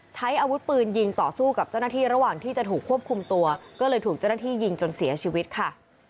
ใช้อาวุธปืนยิงต่อสู้กับเจ้าหน้าที่ระหว่างที่จะถูกควบคุมตัวก็เลยถูกเจ้าหน้าที่ยิงจนเสียชีวิตค่ะ